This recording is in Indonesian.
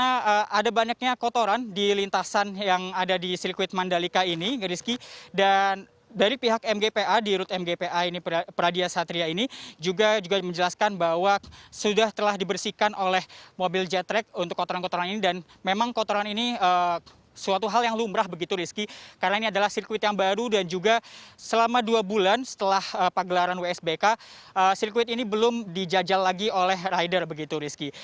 ada banyaknya kotoran di lintasan yang ada di sirkuit mandalika ini rizky dan dari pihak mgpa di rute mgpa ini pradya satria ini juga menjelaskan bahwa sudah telah dibersihkan oleh mobil jet track untuk kotoran kotoran ini dan memang kotoran ini suatu hal yang lumrah begitu rizky karena ini adalah sirkuit yang baru dan juga selama dua bulan setelah pagelaran wsbk sirkuit ini belum dijajal lagi oleh rider begitu rizky